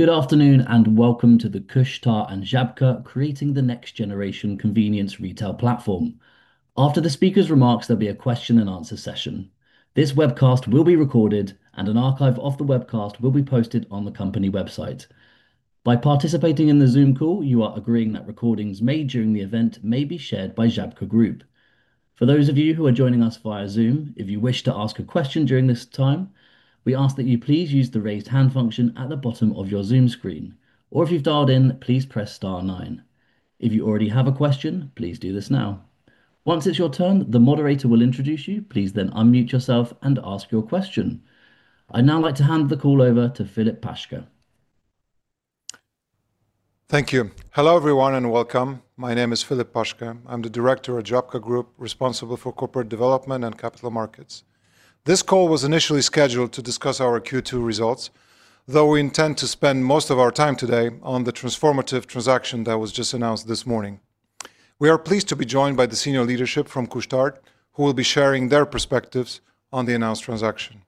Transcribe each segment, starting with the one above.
Good afternoon, and welcome to the Couche-Tard and Żabka, Creating the Next Generation Convenience Retail Platform. After the speakers' remarks, there'll be a question and answer session. This webcast will be recorded and an archive of the webcast will be posted on the company website. By participating in the Zoom call, you are agreeing that recordings made during the event may be shared by Żabka Group. For those of you who are joining us via Zoom, if you wish to ask a question during this time, we ask that you please use the raise hand function at the bottom of your Zoom screen. Or if you've dialed in, please press star nine. If you already have a question, please do this now. Once it's your turn, the moderator will introduce you. Please then unmute yourself and ask your question. I'd now like to hand the call over to Filip Paszke. Thank you. Hello, everyone, and welcome. My name is Filip Paszke. I'm the director of Żabka Group, responsible for corporate development and capital markets. This call was initially scheduled to discuss our Q2 results. We intend to spend most of our time today on the transformative transaction that was just announced this morning. We are pleased to be joined by the senior leadership from Couche-Tard, who will be sharing their perspectives on the announced transaction.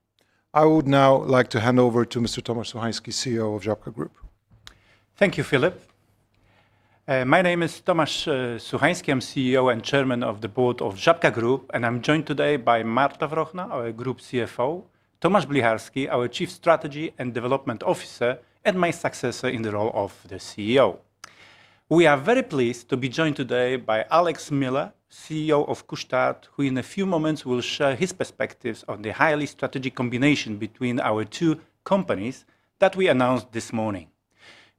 I would now like to hand over to Mr. Tomasz Suchański, Chief Executive Officer of Żabka Group. Thank you, Tomasz. My name is Tomasz Suchański. I'm Chief Executive Officer and Chairman of the Board of Żabka Group, and I'm joined today by Marta Wrochna, our Group Chief Financial Officer, Tomasz Blicharski, our Chief Strategy and Development Officer, and my successor in the role of the Chief Executive Officer. We are very pleased to be joined today by Alex Miller, Chief Executive Officer of Couche-Tard, who in a few moments will share his perspectives on the highly strategic combination between our two companies that we announced this morning.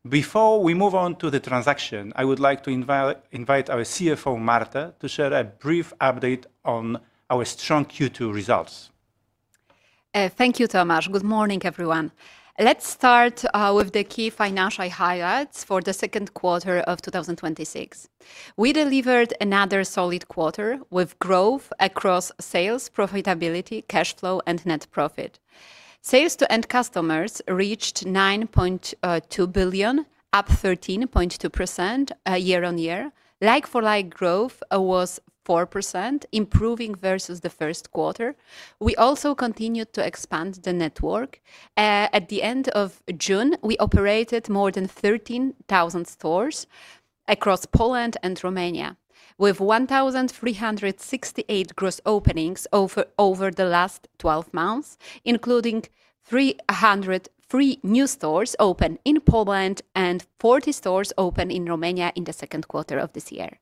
Before we move on to the transaction, I would like to invite our Chief Financial Officer, Marta, to share a brief update on our strong Q2 results. Thank you, Tomasz. Good morning, everyone. Let's start with the key financial highlights for the second quarter of 2026. We delivered another solid quarter with growth across sales, profitability, cash flow, and net profit. Sales to end customers reached 9.2 billion, up 13.2% year-on-year. Like for like growth was 4%, improving versus the first quarter. We also continued to expand the network. At the end of June, we operated more than 13,000 stores across Poland and Romania, with 1,368 gross openings over the last 12 months, including 303 new stores opened in Poland and 40 stores opened in Romania in the second quarter of this year.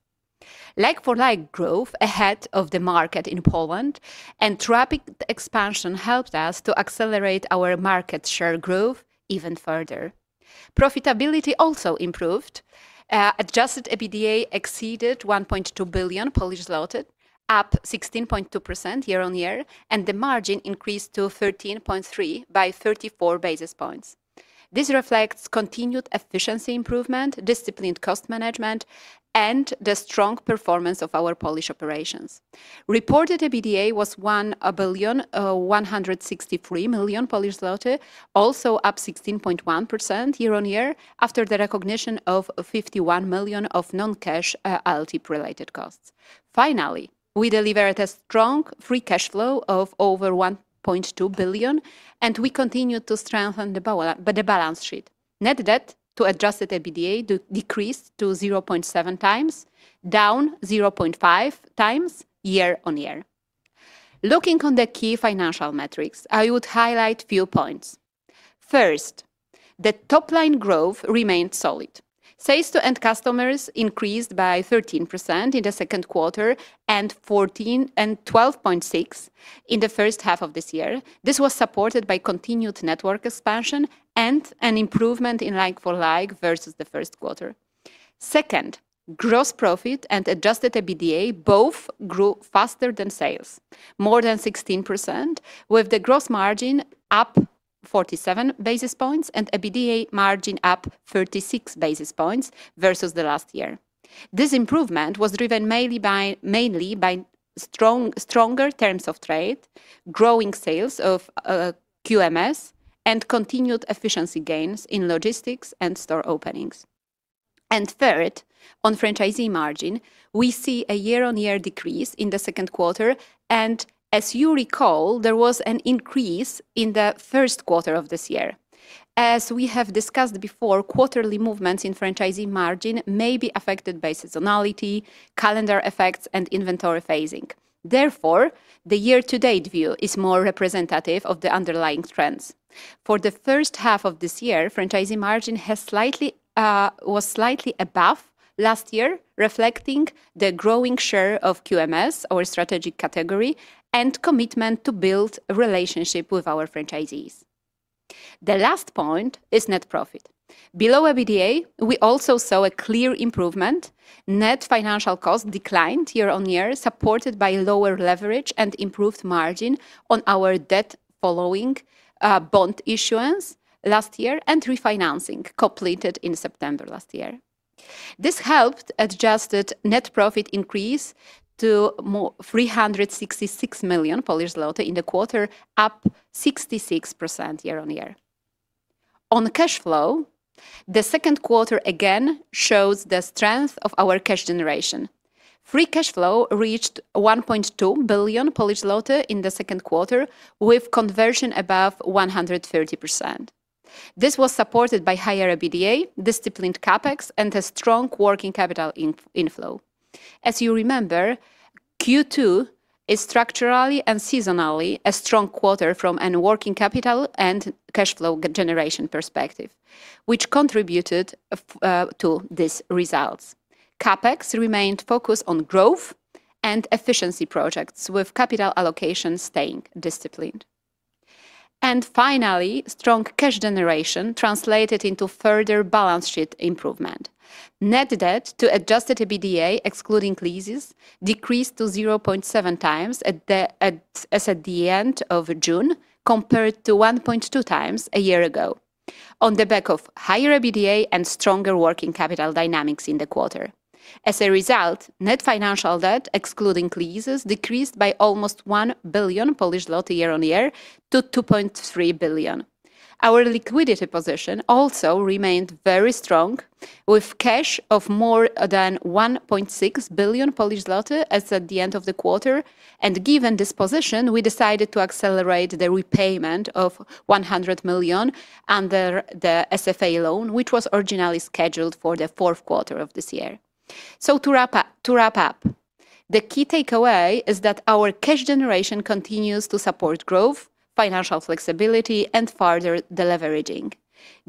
Like for like growth ahead of the market in Poland and rapid expansion helped us to accelerate our market share growth even further. Profitability also improved. Adjusted EBITDA exceeded 1.2 billion, up 16.2% year-over-year, and the margin increased to 13.3% by 34 basis points. This reflects continued efficiency improvement, disciplined cost management, and the strong performance of our Polish operations. Reported EBITDA was PLN 1.163 billion, also up 16.1% year-over-year, after the recognition of 51 million of non-cash LTIP related costs. Finally, we delivered a strong free cash flow of over 1.2 billion, and we continued to strengthen the balance sheet. Net debt to adjusted EBITDA decreased to 0.7x, down 0.5x year-over-year. Looking on the key financial metrics, I would highlight a few points. First, top-line growth remained solid. Sales to end customers increased by 13% in the second quarter and 12.6% in the first half of this year. This was supported by continued network expansion and an improvement in like-for-like versus the first quarter. Second, gross profit and adjusted EBITDA both grew faster than sales, more than 16%, with the gross margin up 47 basis points and EBITDA margin up 36 basis points versus the last year. This improvement was driven mainly by stronger terms of trade, growing sales of QMS, and continued efficiency gains in logistics and store openings. Third, on franchisee margin, we see a year-over-year decrease in the second quarter, and as you recall, there was an increase in the first quarter of this year. As we have discussed before, quarterly movements in franchisee margin may be affected by seasonality, calendar effects, and inventory phasing. Therefore, the year-to-date view is more representative of the underlying trends. For the first half of this year, franchisee margin was slightly above last year, reflecting the growing share of QMS, our strategy category, and commitment to build relationship with our franchisees. The last point is net profit. Below EBITDA, we also saw a clear improvement. Net financial cost declined year-over-year, supported by lower leverage and improved margin on our debt following bond issuance last year and refinancing completed in September last year. This helped adjusted net profit increase to 366 million Polish zloty in the quarter, up 66% year-over-year. On cash flow, the second quarter again shows the strength of our cash generation. Free cash flow reached 1.2 billion in the second quarter, with conversion above 130%. This was supported by higher EBITDA, disciplined CapEx, and a strong working capital inflow. As you remember, Q2 is structurally and seasonally a strong quarter from a working capital and cash flow generation perspective, which contributed to these results. CapEx remained focused on growth and efficiency projects, with capital allocation staying disciplined. Finally, strong cash generation translated into further balance sheet improvement. Net debt to adjusted EBITDA, excluding leases, decreased to 0.7x as at the end of June compared to 1.2x a year ago, on the back of higher EBITDA and stronger working capital dynamics in the quarter. As a result, net financial debt, excluding leases, decreased by almost 1 billion year-over-year to 2.3 billion. Our liquidity position also remained very strong, with cash of more than 1.6 billion Polish zloty as at the end of the quarter. Given this position, we decided to accelerate the repayment of 100 million under the SFA loan, which was originally scheduled for the fourth quarter of this year. To wrap up, the key takeaway is that our cash generation continues to support growth, financial flexibility, and further deleveraging.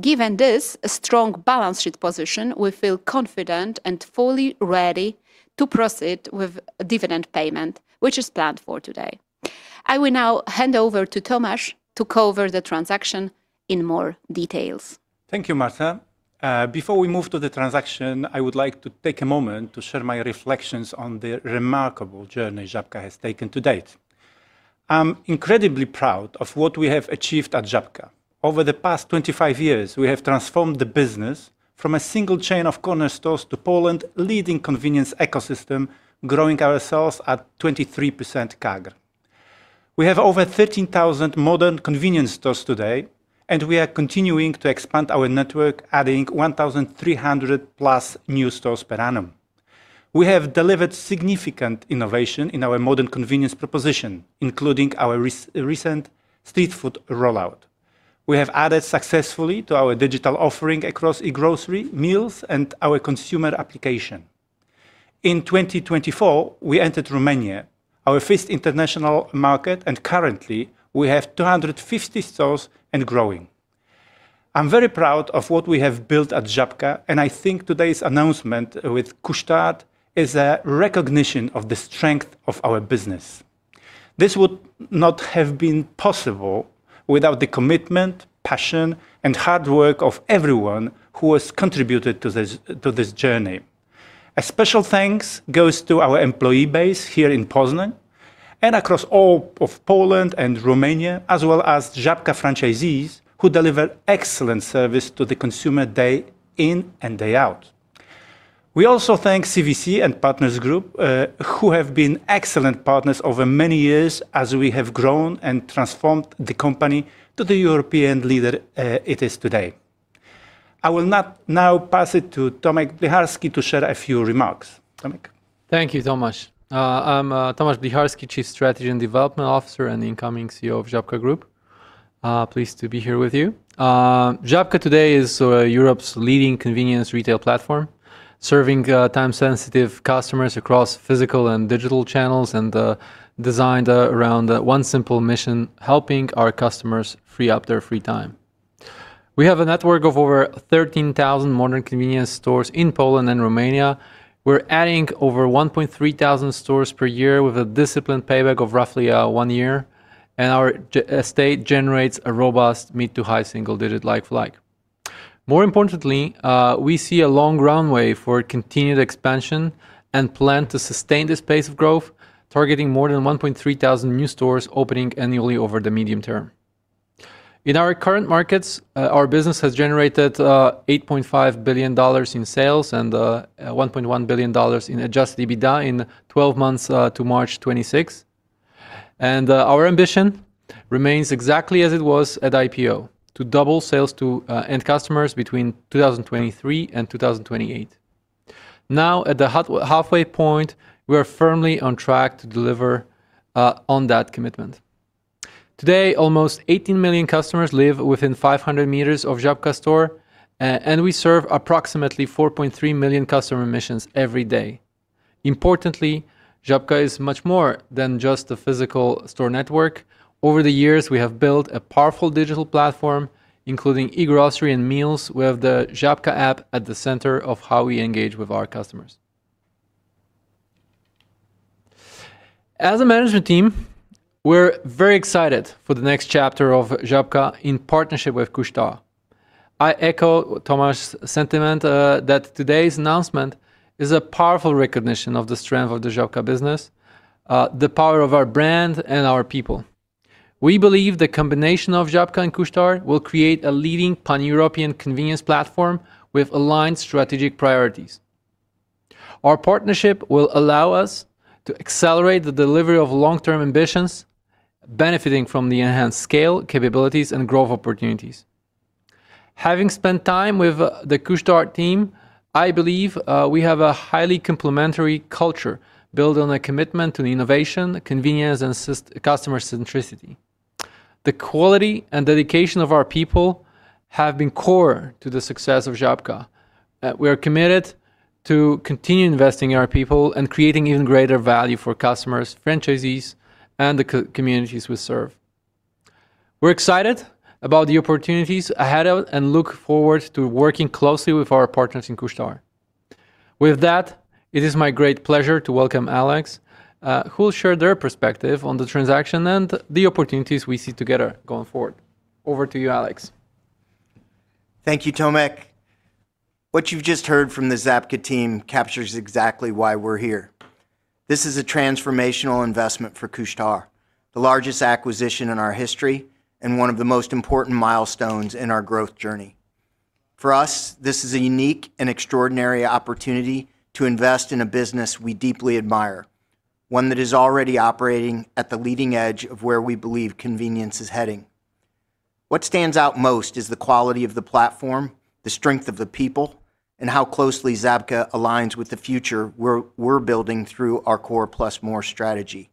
Given this strong balance sheet position, we feel confident and fully ready to proceed with dividend payment, which is planned for today. I will now hand over to Tomasz to cover the transaction in more details. Thank you, Marta. Before we move to the transaction, I would like to take a moment to share my reflections on the remarkable journey Żabka has taken to date. I'm incredibly proud of what we have achieved at Żabka. Over the past 25 years, we have transformed the business from a single chain of corner stores to Poland's leading convenience ecosystem, growing ourselves at 23% CAGR. We have over 13,000 modern convenience stores today, and we are continuing to expand our network, adding 1,300-plus new stores per annum. We have delivered significant innovation in our modern convenience proposition, including our recent street food rollout. We have added successfully to our digital offering across eGrocery, meals, and our consumer application. In 2024, we entered Romania, our first international market, and currently, we have 250 stores and growing. I'm very proud of what we have built at Żabka, and I think today's announcement with Couche-Tard is a recognition of the strength of our business. This would not have been possible without the commitment, passion, and hard work of everyone who has contributed to this journey. A special thanks goes to our employee base here in Poznań and across all of Poland and Romania, as well as Żabka franchisees, who deliver excellent service to the consumer, day in and day out. We also thank CVC and Partners Group, who have been excellent partners over many years as we have grown and transformed the company to the European leader it is today. I will now pass it to Tomek Blicharski to share a few remarks. Tomek? Thank you, Tomasz. I'm Tomasz Blicharski, Chief Strategy and Development Officer and the incoming Chief Executive Officer of Żabka Group. Pleased to be here with you. Żabka today is Europe's leading convenience retail platform, serving time-sensitive customers across physical and digital channels and designed around one simple mission, helping our customers free up their free time. We have a network of over 13,000 modern convenience stores in Poland and Romania. We're adding over 1,300 stores per year with a disciplined payback of roughly one year, and our estate generates a robust mid to high single-digit LFL. More importantly, we see a long runway for continued expansion and plan to sustain this pace of growth, targeting more than 1,300 new stores opening annually over the medium term. In our current markets, our business has generated $8.5 billion in sales and $1.1 billion in adjusted EBITDA in 12 months to March 2026. Our ambition remains exactly as it was at IPO, to double sales to end customers between 2023 and 2028. Now at the halfway point, we are firmly on track to deliver on that commitment. Today, almost 18 million customers live within 500 meters of a Żabka store, and we serve approximately 4.3 million customer missions every day. Importantly, Żabka is much more than just a physical store network. Over the years, we have built a powerful digital platform, including eGrocery and meals, with the Żappka app at the center of how we engage with our customers. As a management team, we're very excited for the next chapter of Żabka in partnership with Couche-Tard. I echo Tomasz's sentiment, that today's announcement is a powerful recognition of the strength of the Żabka business, the power of our brand, and our people. We believe the combination of Żabka and Couche-Tard will create a leading pan-European convenience platform with aligned strategic priorities. Our partnership will allow us to accelerate the delivery of long-term ambitions, benefiting from the enhanced scale, capabilities, and growth opportunities. Having spent time with the Couche-Tard team, I believe we have a highly complementary culture built on a commitment to innovation, convenience, and customer centricity. The quality and dedication of our people have been core to the success of Żabka. We are committed to continue investing in our people and creating even greater value for customers, franchisees, and the communities we serve. We're excited about the opportunities ahead and look forward to working closely with our partners in Couche-Tard. With that, it is my great pleasure to welcome Alex, who will share their perspective on the transaction and the opportunities we see together going forward. Over to you, Alex. Thank you, Tomek. What you've just heard from the Żabka team captures exactly why we're here. This is a transformational investment for Couche-Tard, the largest acquisition in our history, and one of the most important milestones in our growth journey. For us, this is a unique and extraordinary opportunity to invest in a business we deeply admire, one that is already operating at the leading edge of where we believe convenience is heading. What stands out most is the quality of the platform, the strength of the people, and how closely Żabka aligns with the future we're building through our Core Plus More strategy.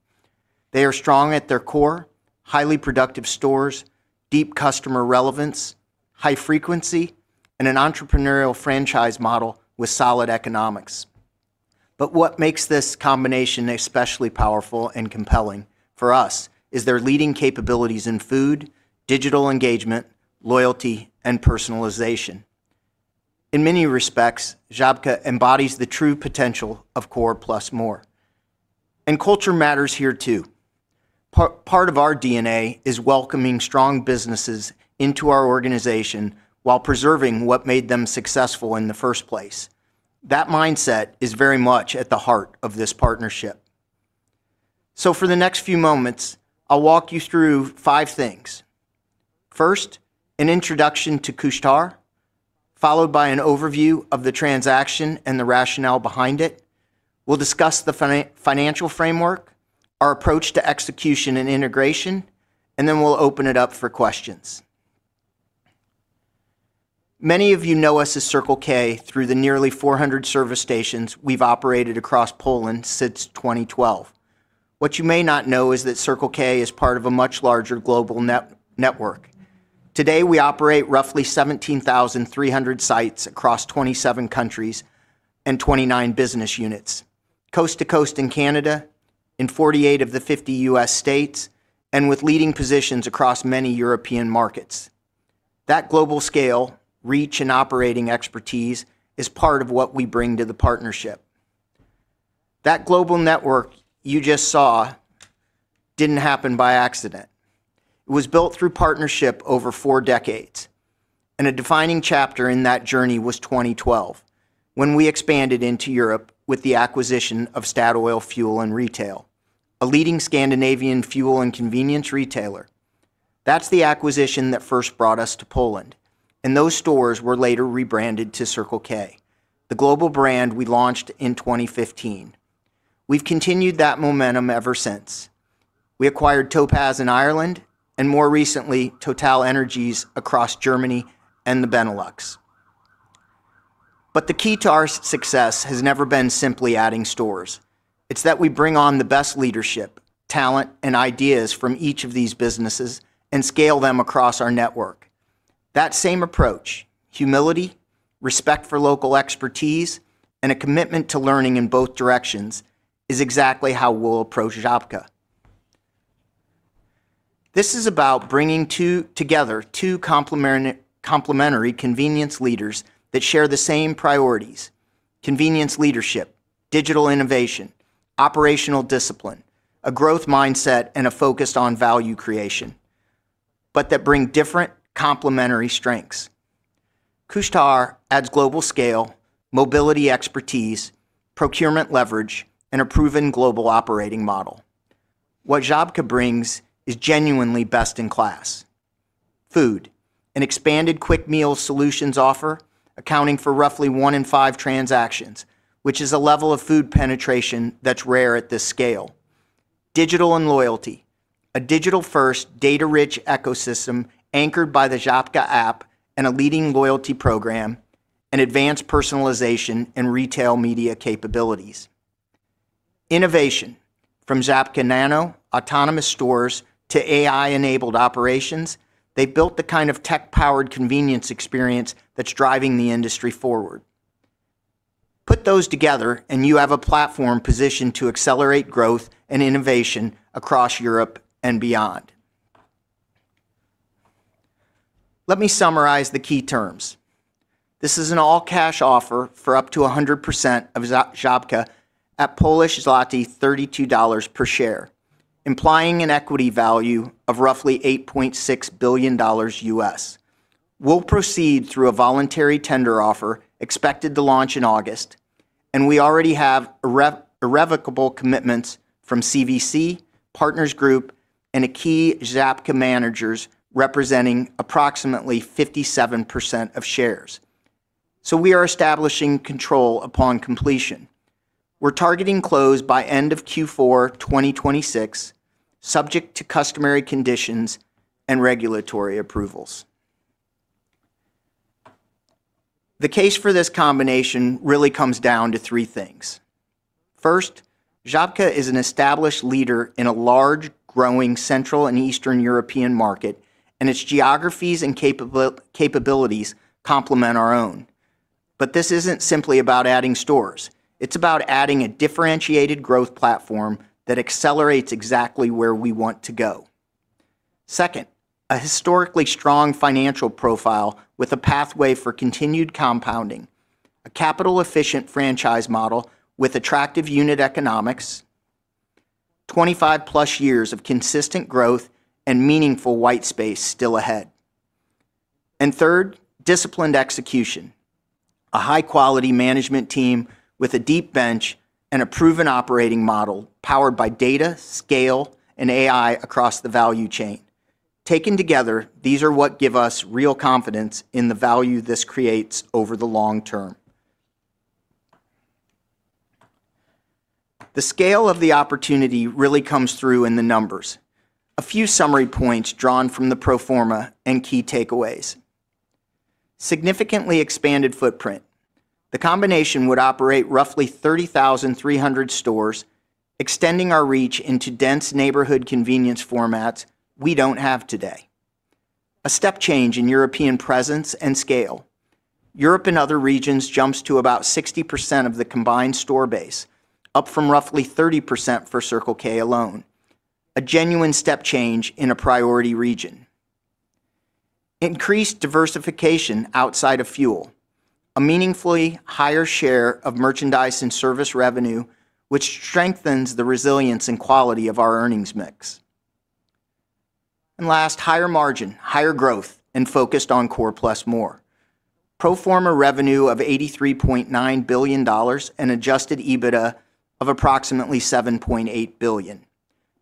They are strong at their core, highly productive stores, deep customer relevance, high frequency, and an entrepreneurial franchise model with solid economics. What makes this combination especially powerful and compelling for us is their leading capabilities in food, digital engagement, loyalty, and personalization. In many respects, Żabka embodies the true potential of Core Plus More. Culture matters here too. Part of our DNA is welcoming strong businesses into our organization while preserving what made them successful in the first place. That mindset is very much at the heart of this partnership. For the next few moments, I'll walk you through five things. First, an introduction to Couche-Tard, followed by an overview of the transaction and the rationale behind it. We'll discuss the financial framework, our approach to execution and integration, and then we'll open it up for questions. Many of you know us as Circle K through the nearly 400 service stations we've operated across Poland since 2012. What you may not know is that Circle K is part of a much larger global network. Today, we operate roughly 17,300 sites across 27 countries and 29 business units, coast to coast in Canada, in 48 of the 50 U.S. states, and with leading positions across many European markets. That global scale, reach, and operating expertise is part of what we bring to the partnership. That global network you just saw didn't happen by accident. It was built through partnership over four decades, and a defining chapter in that journey was 2012, when we expanded into Europe with the acquisition of Statoil Fuel & Retail, a leading Scandinavian fuel and convenience retailer. That's the acquisition that first brought us to Poland, and those stores were later rebranded to Circle K, the global brand we launched in 2015. We've continued that momentum ever since. We acquired Topaz in Ireland, and more recently, TotalEnergies across Germany and the Benelux. The key to our success has never been simply adding stores. It's that we bring on the best leadership, talent, and ideas from each of these businesses and scale them across our network. That same approach, humility, respect for local expertise, and a commitment to learning in both directions, is exactly how we'll approach Żabka. This is about bringing together two complementary convenience leaders that share the same priorities, convenience leadership, digital innovation, operational discipline, a growth mindset, and a focus on value creation, but that bring different complementary strengths. Couche-Tard adds global scale, mobility expertise, procurement leverage, and a proven global operating model. What Żabka brings is genuinely best in class. Food, an expanded Quick Meal Solutions offer accounting for roughly one in five transactions, which is a level of food penetration that's rare at this scale. Digital and loyalty. A digital-first, data-rich ecosystem anchored by the Żappka app and a leading loyalty program and advanced personalization and retail media capabilities. Innovation. From Żabka Nano autonomous stores to AI-enabled operations, they built the kind of tech-powered convenience experience that's driving the industry forward. Put those together and you have a platform positioned to accelerate growth and innovation across Europe and beyond. Let me summarize the key terms. This is an all-cash offer for up to 100% of Żabka at Polish zloty 32 per share, implying an equity value of roughly $8.6 billion. We'll proceed through a voluntary tender offer expected to launch in August. We already have irrevocable commitments from CVC, Partners Group, and key Żabka managers representing approximately 57% of shares. We are establishing control upon completion. We're targeting close by end of Q4 2026, subject to customary conditions and regulatory approvals. The case for this combination really comes down to three things. First, Żabka is an established leader in a large, growing Central and Eastern European market. Its geographies and capabilities complement our own. This isn't simply about adding stores. It's about adding a differentiated growth platform that accelerates exactly where we want to go. Second, a historically strong financial profile with a pathway for continued compounding. A capital-efficient franchise model with attractive unit economics, 25+ years of consistent growth, and meaningful white space still ahead. Third, disciplined execution. A high-quality management team with a deep bench and a proven operating model powered by data, scale, and AI across the value chain. Taken together, these are what give us real confidence in the value this creates over the long term. The scale of the opportunity really comes through in the numbers. A few summary points drawn from the pro forma and key takeaways. Significantly expanded footprint. The combination would operate roughly 30,300 stores, extending our reach into dense neighborhood convenience formats we don't have today. A step change in European presence and scale. Europe and other regions jumps to about 60% of the combined store base, up from roughly 30% for Circle K alone. A genuine step change in a priority region. Increased diversification outside of fuel. A meaningfully higher share of merchandise and service revenue, which strengthens the resilience and quality of our earnings mix. Last, higher margin, higher growth, and focused on Core Plus More. Pro forma revenue of $83.9 billion and Adjusted EBITDA of approximately $7.8 billion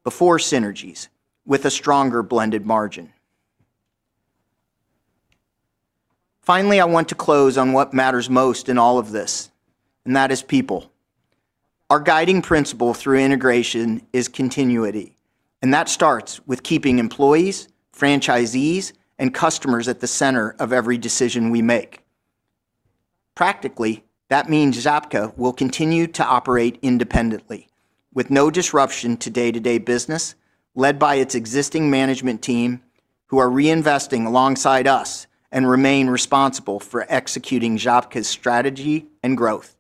before synergies, with a stronger blended margin. Finally, I want to close on what matters most in all of this, and that is people. Our guiding principle through integration is continuity, and that starts with keeping employees, franchisees, and customers at the center of every decision we make. Practically, that means Żabka will continue to operate independently, with no disruption to day-to-day business, led by its existing management team, who are reinvesting alongside us and remain responsible for executing Żabka's strategy and growth.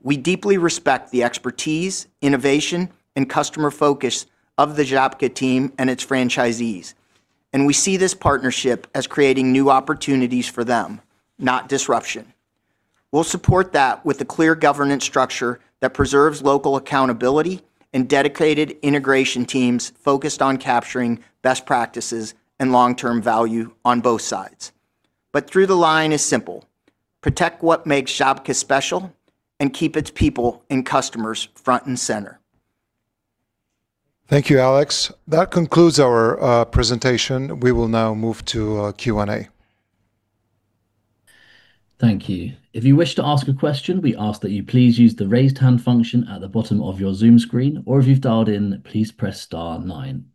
We deeply respect the expertise, innovation, and customer focus of the Żabka team and its franchisees, and we see this partnership as creating new opportunities for them, not disruption. We'll support that with a clear governance structure that preserves local accountability and dedicated integration teams focused on capturing best practices and long-term value on both sides. Through the line is simple. Protect what makes Żabka special and keep its people and customers front and center. Thank you, Alex. That concludes our presentation. We will now move to question-and-answer. Thank you. If you wish to ask a question, we ask that you please use the raise hand function at the bottom of your Zoom screen, or if you've dialed in, please press star nine.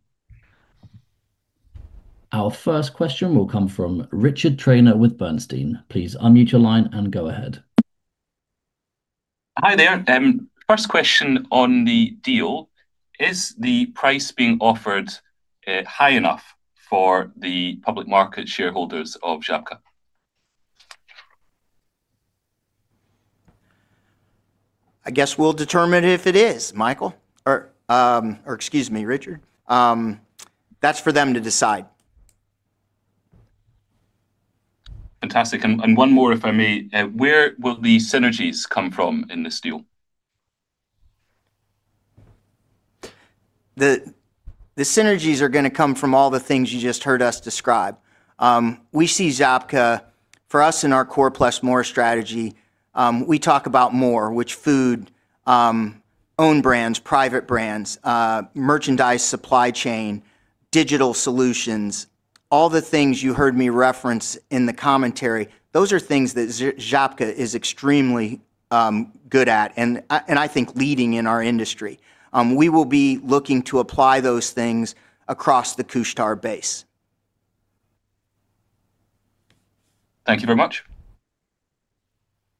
Our first question will come from Richard Trainor with Bernstein. Please unmute your line and go ahead. Hi there. First question on the deal. Is the price being offered high enough for the public market shareholders of Żabka? I guess we'll determine if it is, Michal, or excuse me, Richard. That's for them to decide. Fantastic. One more, if I may. Where will the synergies come from in this deal? The synergies are going to come from all the things you just heard us describe. We see Żabka, for us in our Core Plus More strategy, we talk about more, which food, owned brands, private brands, merchandise supply chain, digital solutions, all the things you heard me reference in the commentary. Those are things that Żabka is extremely good at and I think leading in our industry. We will be looking to apply those things across the Couche-Tard base. Thank you very much.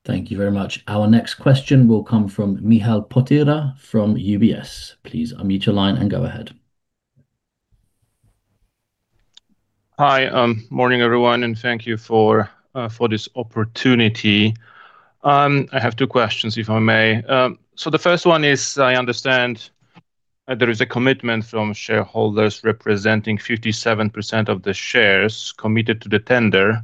Thank you very much. Our next question will come from Michal Potyra from UBS. Please unmute your line and go ahead. Hi. Morning, everyone, and thank you for this opportunity. I have two questions, if I may. The first one is, I understand there is a commitment from shareholders representing 57% of the shares committed to the tender.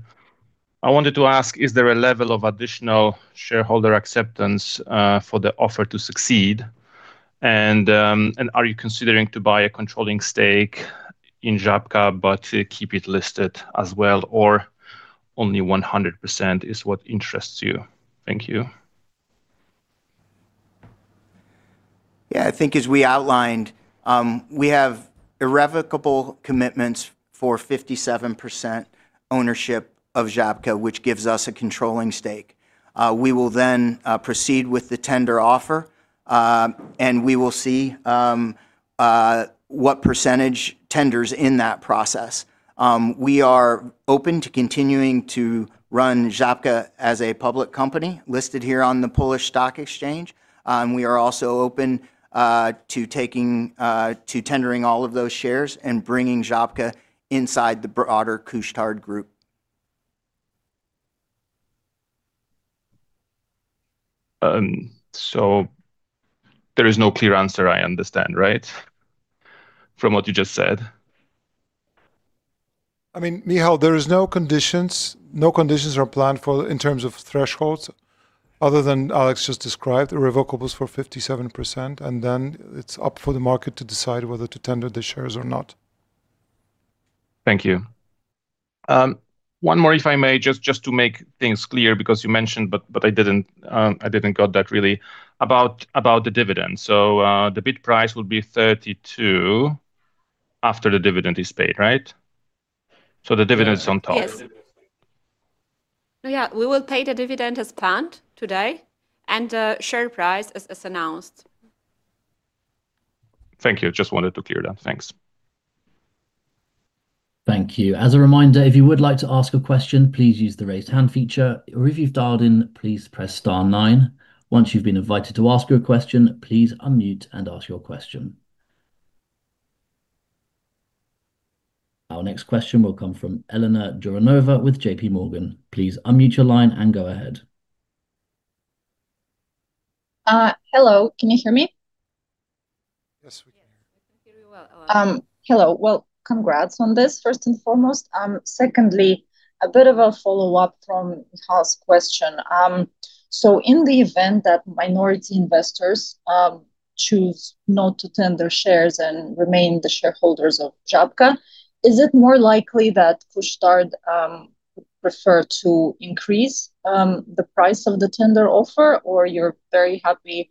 I wanted to ask, is there a level of additional shareholder acceptance for the offer to succeed? Are you considering to buy a controlling stake in Żabka but keep it listed as well, or only 100% is what interests you? Thank you. I think as we outlined, we have irrevocable commitments for 57% ownership of Żabka, which gives us a controlling stake. We will then proceed with the tender offer, and we will see what percentage tenders in that process. We are open to continuing to run Żabka as a public company listed here on the Warsaw Stock Exchange. We are also open to tendering all of those shares and bringing Żabka inside the broader Couche-Tard group. there is no clear answer, I understand, right? From what you just said. Michal, there is no conditions are planned for in terms of thresholds other than Alex just described. Irrevocables for 57%, it's up for the market to decide whether to tender the shares or not. Thank you. One more, if I may, just to make things clear, because you mentioned, but I didn't get that really, about the dividend. the bid price will be 32 after the dividend is paid, right? the dividend's on top. Yes. Yeah, we will pay the dividend as planned today and the share price as announced. Thank you. Just wanted to clear that. Thanks. Thank you. As a reminder, if you would like to ask a question, please use the raise hand feature. Or if you've dialed in, please press star nine. Once you've been invited to ask your question, please unmute and ask your question. Our next question will come from Elena Jouronova with JPMorgan. Please unmute your line and go ahead. Hello, can you hear me? Yes, we can. Yes, we can hear you well. Hello. Well, congrats on this, first and foremost. Secondly, a bit of a follow-up from Michal's question. In the event that minority investors choose not to tender shares and remain the shareholders of Żabka, is it more likely that Couche-Tard would prefer to increase the price of the tender offer? Or you're very happy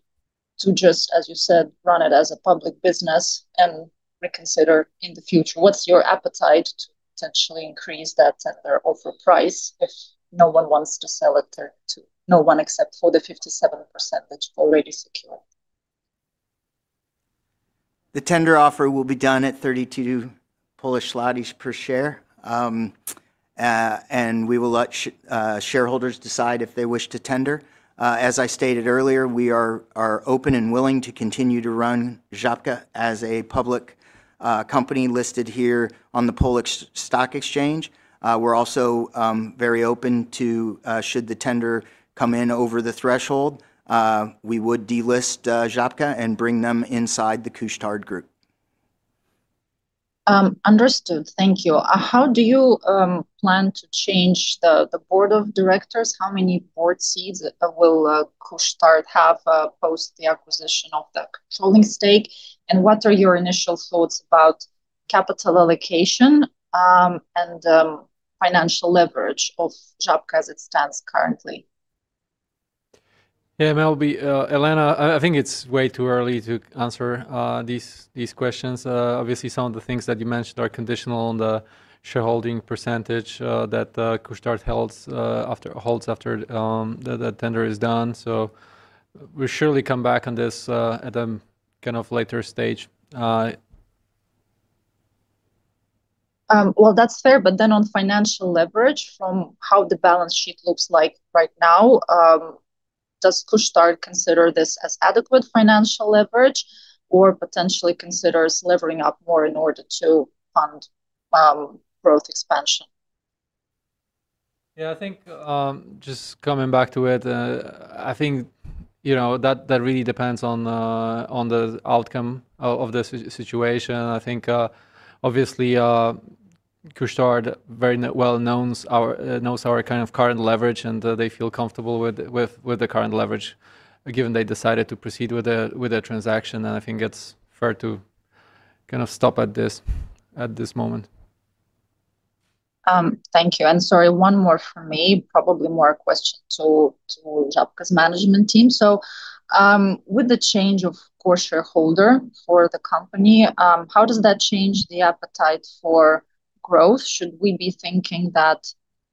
to just, as you said, run it as a public business and reconsider in the future? What's your appetite to potentially increase that tender offer price if no one wants to sell it to no one except for the 57% that you've already secured? The tender offer will be done at 32 Polish zlotys per share. We will let shareholders decide if they wish to tender. As I stated earlier, we are open and willing to continue to run Żabka as a public company listed here on the Warsaw Stock Exchange. We're also very open to, should the tender come in over the threshold, we would delist Żabka and bring them inside the Couche-Tard group. Understood. Thank you. How do you plan to change the board of directors? How many board seats will Couche-Tard have post the acquisition of the controlling stake? What are your initial thoughts about capital allocation, and financial leverage of Żabka as it stands currently? Elena, I think it's way too early to answer these questions. Obviously, some of the things that you mentioned are conditional on the shareholding percentage that Couche-Tard holds after that tender is done. We'll surely come back on this at a later stage. That's fair. On financial leverage from how the balance sheet looks like right now, does Couche-Tard consider this as adequate financial leverage or potentially consider levering up more in order to fund growth expansion? I think, just coming back to it, I think that really depends on the outcome of this situation. I think, obviously, Couche-Tard very well knows our kind of current leverage and they feel comfortable with the current leverage, given they decided to proceed with the transaction. I think it's fair to stop at this moment. Thank you. Sorry, one more from me. Probably more a question to Żabka's management team. With the change of core shareholder for the company, how does that change the appetite for growth? Should we be thinking that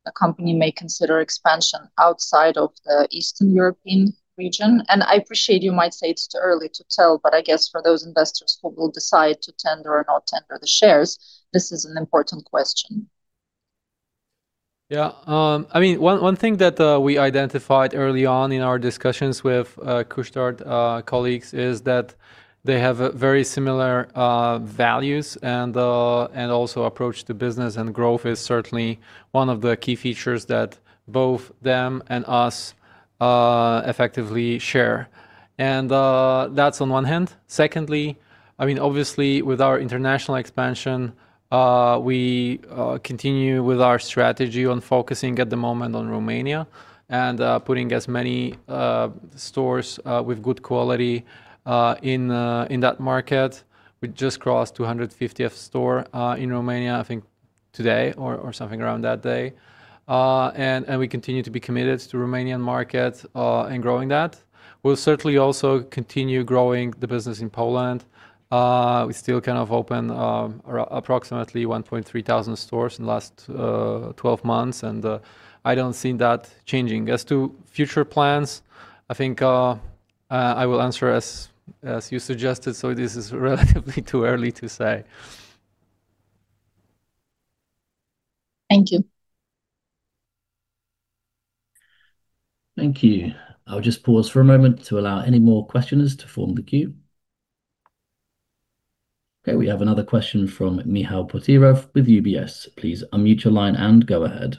the company may consider expansion outside of the Eastern European region? I appreciate you might say it's too early to tell, but I guess for those investors who will decide to tender or not tender the shares, this is an important question. Yeah. One thing that we identified early on in our discussions with Couche-Tard colleagues is that they have very similar values and also approach to business. Growth is certainly one of the key features that both them and us effectively share. That's on one hand. Secondly, obviously, with our international expansion, we continue with our strategy on focusing at the moment on Romania and putting as many stores with good quality in that market. We just crossed 250th store in Romania, I think today or something around that day. We continue to be committed to Romanian market and growing that. We'll certainly also continue growing the business in Poland. We still kind of open approximately 1,300 stores in the last 12 months. I don't see that changing. As to future plans, I think I will answer as you suggested. This is relatively too early to say. Thank you. Thank you. I'll just pause for a moment to allow any more questioners to form the queue. We have another question from Michal Potyra with UBS. Please unmute your line and go ahead.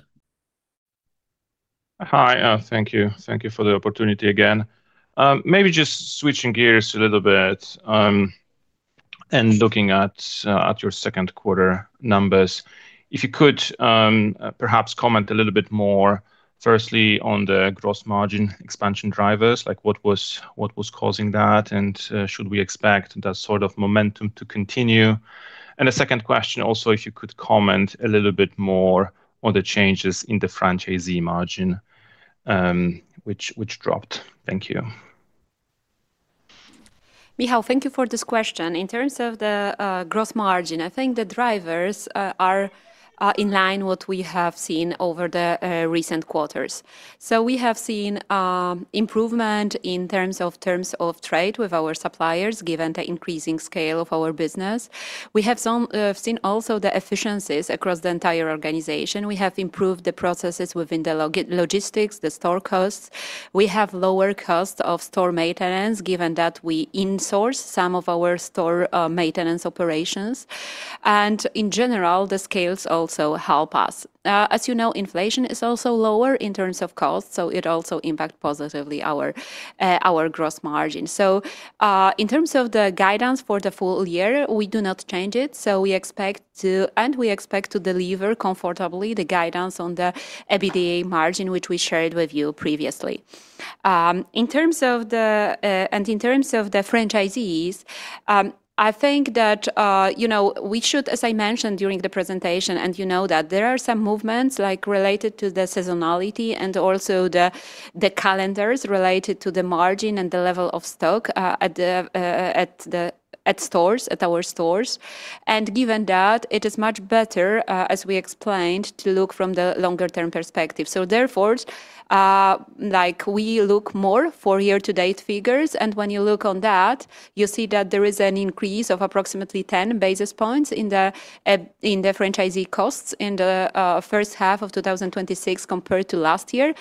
Hi. Thank you. Thank you for the opportunity again. Maybe just switching gears a little bit, looking at your second quarter numbers. If you could perhaps comment a little bit more, firstly, on the gross margin expansion drivers, like what was causing that, and should we expect that sort of momentum to continue? A second question also, if you could comment a little bit more on the changes in the franchisee margin, which dropped. Thank you. Michal, thank you for this question. In terms of the gross margin, I think the drivers are in line what we have seen over the recent quarters. We have seen improvement in terms of trade with our suppliers, given the increasing scale of our business. We have seen also the efficiencies across the entire organization. We have improved the processes within the logistics, the store costs. We have lower cost of store maintenance, given that we insource some of our store maintenance operations, in general, the scales also help us. As you know, inflation is also lower in terms of cost, it also impact positively our gross margin. In terms of the guidance for the full year, we do not change it, and we expect to deliver comfortably the guidance on the EBITDA margin, which we shared with you previously. In terms of the franchisees, I think that we should, as I mentioned during the presentation, you know that there are some movements related to the seasonality and also the calendars related to the margin and the level of stock at our stores. Given that, it is much better, as we explained, to look from the longer-term perspective. Therefore, we look more for year-to-date figures, when you look on that, you see that there is an increase of approximately 10 basis points in the franchisee costs in the first half of 2026 compared to last year.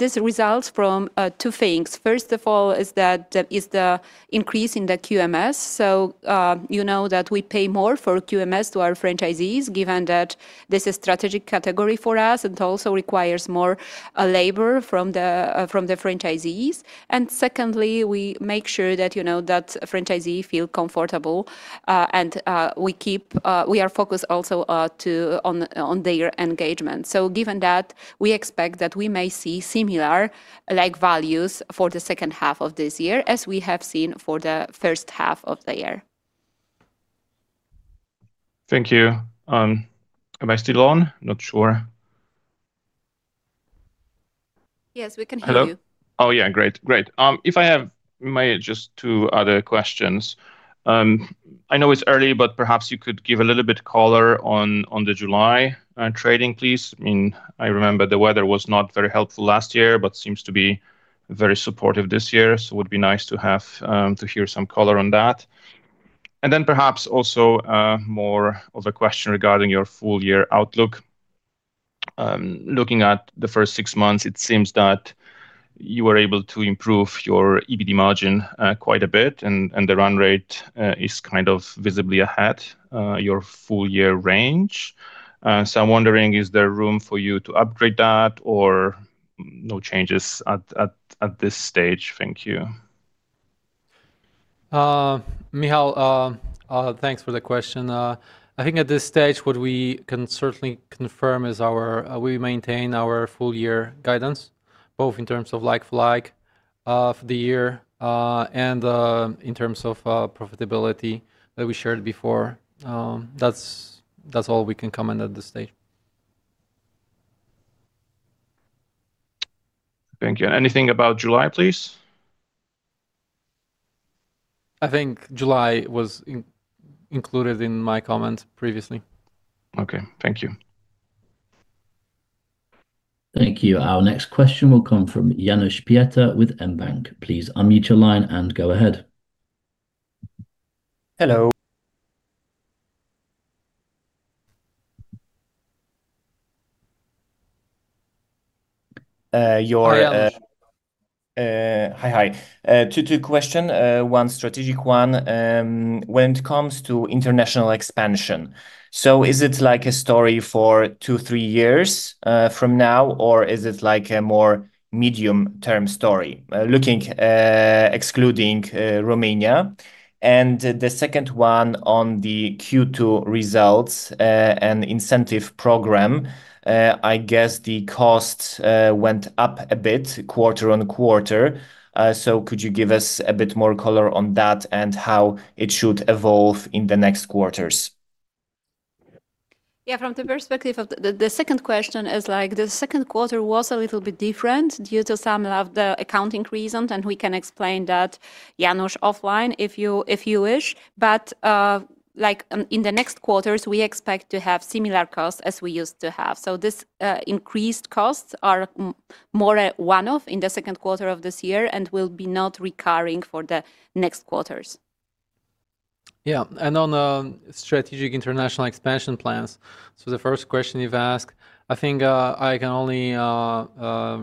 This results from two things. First of all is the increase in the QMS. You know that we pay more for QMS to our franchisees, given that this is strategic category for us and also requires more labor from the franchisees. Secondly, we make sure that franchisee feel comfortable, and we are focused also on their engagement. Given that, we expect that we may see similar values for the second half of this year as we have seen for the first half of the year. Thank you. Am I still on? Not sure. Yes, we can hear you. Hello? Oh, yeah. Great. If I have maybe just two other questions. I know it's early, but perhaps you could give a little bit color on the July trading, please. I remember the weather was not very helpful last year, but seems to be very supportive this year, so it would be nice to hear some color on that. Perhaps also, more of a question regarding your full year outlook. Looking at the first six months, it seems that you were able to improve your EBITDA margin quite a bit, and the run rate is kind of visibly ahead your full-year range. I'm wondering, is there room for you to upgrade that or no changes at this stage? Thank you. Michal, thanks for the question. I think at this stage, what we can certainly confirm is we maintain our full year guidance, both in terms of like-for-like for the year, and in terms of profitability that we shared before. That's all we can comment at this stage. Thank you. Anything about July, please? I think July was included in my comment previously. Okay. Thank you. Thank you. Our next question will come from Janusz Pięta with mBank. Please unmute your line and go ahead. Hello. Hi, Janusz. Hi. Two question. One strategic one. When it comes to international expansion, so is it like a story for two, three years from now, or is it like a more medium-term story? Excluding Romania. The second one on the Q2 results, an incentive program. I guess the cost went up a bit quarter-on-quarter. Could you give us a bit more color on that and how it should evolve in the next quarters? Yeah. From the perspective of the second question is the second quarter was a little bit different due to some of the accounting reasons, and we can explain that, Janusz, offline if you wish. In the next quarters, we expect to have similar costs as we used to have. These increased costs are more a one-off in the second quarter of this year and will be not recurring for the next quarters. Yeah. On strategic international expansion plans, so the first question you've asked, I think I can only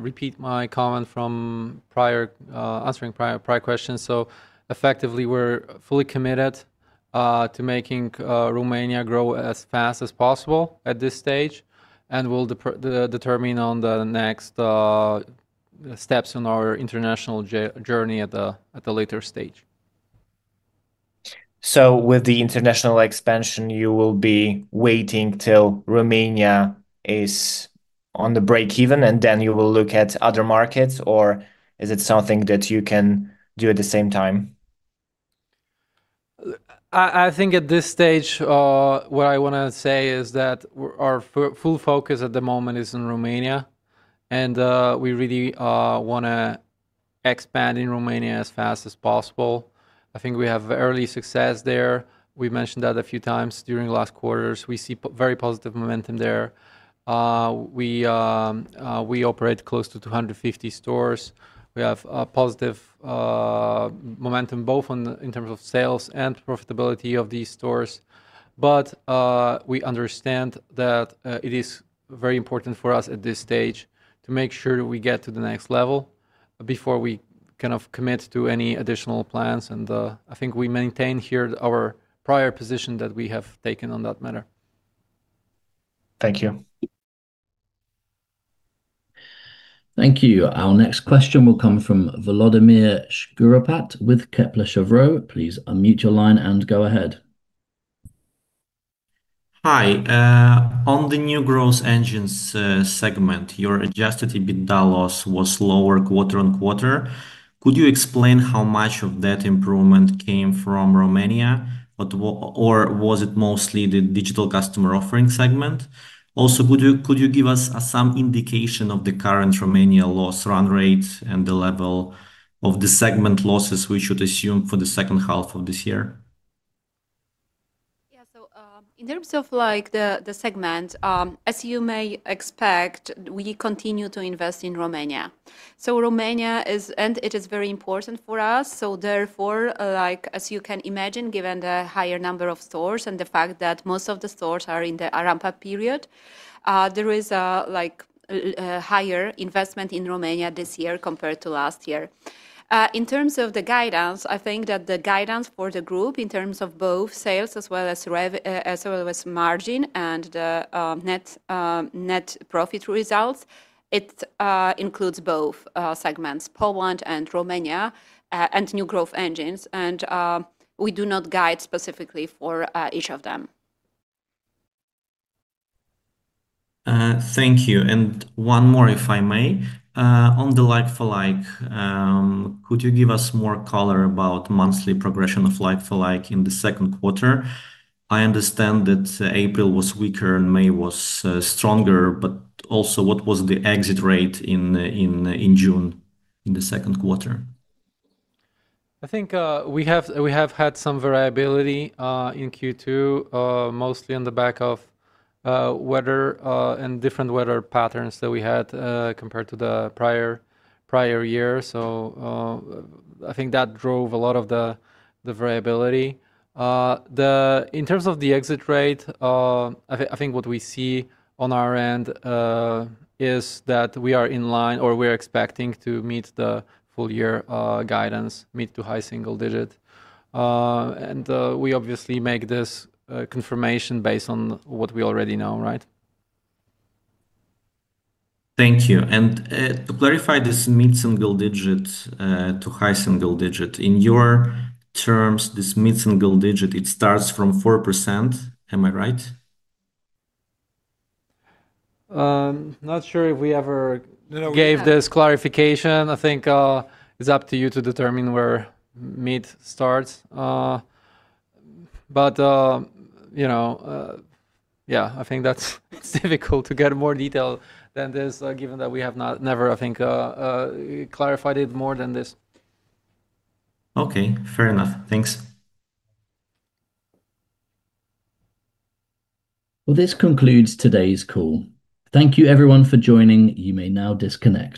repeat my comment from answering prior questions. Effectively, we're fully committed to making Romania grow as fast as possible at this stage, and we'll determine on the next steps on our international journey at a later stage. With the international expansion, you will be waiting till Romania is on the break even, and then you will look at other markets, or is it something that you can do at the same time? I think at this stage, what I want to say is that our full focus at the moment is in Romania, and we really want to expand in Romania as fast as possible. I think we have early success there. We've mentioned that a few times during the last quarters. We see very positive momentum there. We operate close to 250 stores. We have a positive momentum both in terms of sales and profitability of these stores. We understand that it is very important for us at this stage to make sure we get to the next level before we commit to any additional plans. I think we maintain here our prior position that we have taken on that matter. Thank you. Thank you. Our next question will come from Volodymyr Shkuropat with Kepler Cheuvreux. Please unmute your line and go ahead. Hi. On the New Growth Engines segment, your adjusted EBITDA loss was lower quarter-on-quarter. Could you explain how much of that improvement came from Romania, or was it mostly the digital customer offering segment? Also, could you give us some indication of the current Romania loss run rate and the level of the segment losses we should assume for the second half of this year? In terms of the segment, as you may expect, we continue to invest in Romania. Romania is, and it is very important for us. Therefore, as you can imagine, given the higher number of stores and the fact that most of the stores are in the ramp-up period, there is a higher investment in Romania this year compared to last year. In terms of the guidance, I think that the guidance for the group in terms of both sales as well as margin and the net profit results, it includes both segments, Poland and Romania, and New Growth Engines. We do not guide specifically for each of them. Thank you. One more, if I may. On the like-for-like, could you give us more color about monthly progression of like-for-like in the second quarter? I understand that April was weaker and May was stronger, also what was the exit rate in June, in the second quarter? I think we have had some variability in Q2, mostly on the back of weather and different weather patterns that we had compared to the prior year. I think that drove a lot of the variability. In terms of the exit rate, I think what we see on our end is that we are in line or we're expecting to meet the full-year guidance, mid to high single digit. We obviously make this confirmation based on what we already know, right? Thank you. To clarify this mid-single digit to high single digit, in your terms, this mid-single digit, it starts from 4%, am I right? I'm not sure if we ever gave this clarification. I think it's up to you to determine where mid starts. Yeah, I think that's difficult to get more detail than this, given that we have never, I think, clarified it more than this. Okay. Fair enough. Thanks. Well, this concludes today's call. Thank you, everyone, for joining. You may now disconnect.